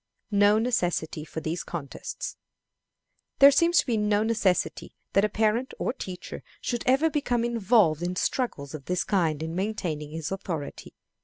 No Necessity for these Contests. There seems to be no necessity that a parent or teacher should ever become involved in struggles of this kind in maintaining his authority.